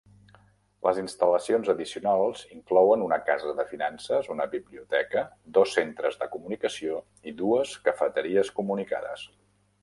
Les instal·lacions addicionals inclouen una casa de finances, una biblioteca, dos centres de comunicació i dues cafeteries comunicades.